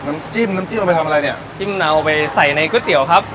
น้ำจิ้มน้ำจิ้มเอาไปทำอะไรเนี่ยจิ้มเนาไปใส่ในก๋วยเตี๋ยวครับ